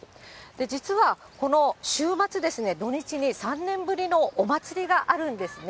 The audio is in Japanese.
実はこの週末ですね、土日に３年ぶりのお祭りがあるんですね。